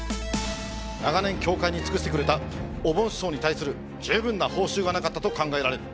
長年協会に尽くしてくれたおぼん師匠に対する十分な報酬がなかったと考えられる。